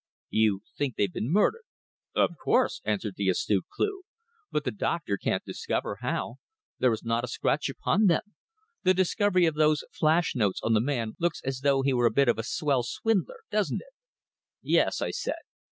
"You think they've been murdered?" "Of course," answered the astute Cleugh. "But the doctor can't discover how. There is not a scratch upon them. The discovery of those flash notes on the man looks as though he were a bit of a swell swindler, doesn't it?" "Yes," I said.